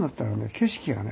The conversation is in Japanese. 景色がね